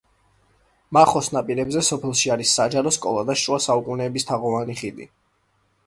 მახოს ნაპირებზე, სოფელში არის საჯარო სკოლა და შუა საუკუნეების თაღოვანი ხიდი.